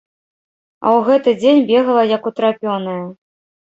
А ў гэты дзень бегала як утрапёная.